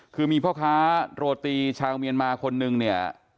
คือมีพ่อค้าโรตีชาวเมียนมาคนนึงเนี่ย